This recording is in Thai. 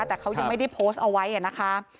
แต่เขายังไม่ได้โพสต์เอาไว้นะคะ